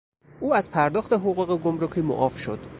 او از پرداخت حقوق گمرکی معاف شد.